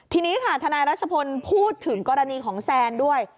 ทีนี้ค่ะทนายรัชพลพูดถึงกรณีของแซนด้วย